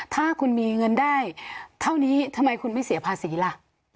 ถ้าคุณมีเงินได้เท่านี้ทำไมคุณไม่เสียภาษีล่ะ